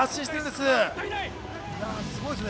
すごいですね。